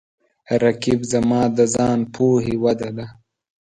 رقیب زما د ځان پوهې وده ده